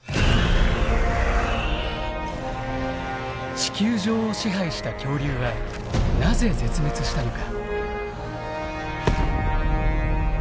地球上を支配した恐竜はなぜ絶滅したのか。